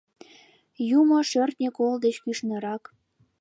...Юмо шӧртньӧ кол деч кӱшнырак.